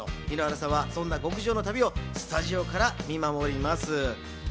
井ノ原さんはそんな極上の旅をスタジオから見守ります。